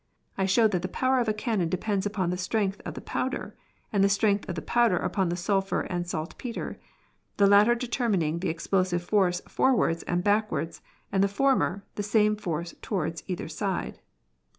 I showed that the power of a cannon depends upon the strength of the powder, and the strength of the powder upon the sulphur and saltpetre ; the latter determining the explosive force forwards and backwards, and the former, the same force towards either side.